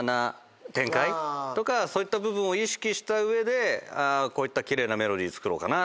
そういった部分を意識した上でこういった奇麗なメロディー作ろうかなとか。